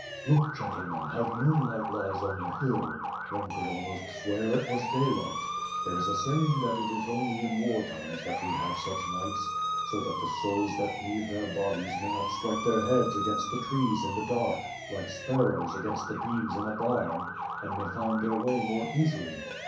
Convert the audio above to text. "Look, gentlemen, how the moonlight lies on the hill. One could almost swear it was daylight. There is a saying that it is only in war times that we have such nights, so that the souls that leave their bodies may not strike their heads against the trees in the dark, like sparrows, against the beams in a barn; and may find their way more easily.